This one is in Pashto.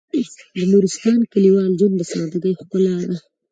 د نورستان کلیوال ژوند د سادهګۍ ښکلا ده.